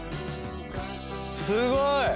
すごい！